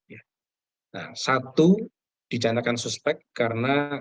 nah satu dicanakan suspek karena